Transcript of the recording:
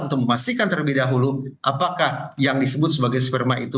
untuk memastikan terlebih dahulu apakah yang disebut sebagai sperma itu